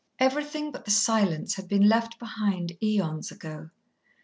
Everything but the silence had been left behind aeons ago.